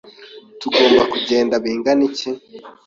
Tugomba kugenda bingana iki?